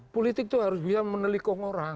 politik itu harus bisa menelikong orang